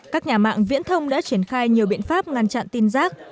các nhà mạng viễn thông đã triển khai nhiều biện pháp ngăn chặn tin rác